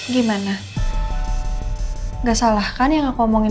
gimana suri bisa mulai meny cocok gak percaya korban liar